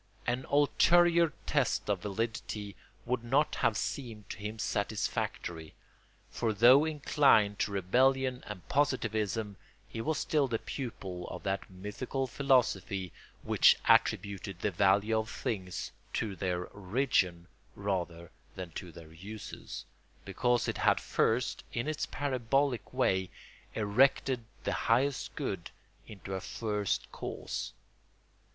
An ulterior test of validity would not have seemed to him satisfactory, for though inclined to rebellion and positivism he was still the pupil of that mythical philosophy which attributed the value of things to their origin rather than to their uses, because it had first, in its parabolic way, erected the highest good into a First Cause.